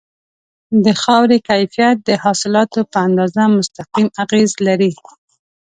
د خاورې کیفیت د حاصلاتو په اندازه مستقیم اغیز لري.